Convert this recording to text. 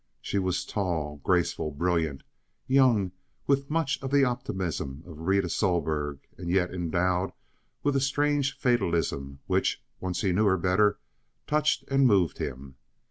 She was tall, graceful, brilliant, young, with much of the optimism of Rita Sohlberg, and yet endowed with a strange fatalism which, once he knew her better, touched and moved him.